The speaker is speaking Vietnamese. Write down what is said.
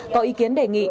có ý kiến đề nghị